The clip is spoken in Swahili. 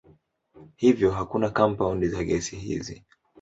Hivyo hakuna kampaundi za gesi hizi.